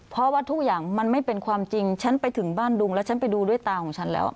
เพราะว่าทุกอย่างมันไม่เป็นความจริงฉันไปถึงบ้านดุงแล้วฉันไปดูด้วยตาของฉันแล้ว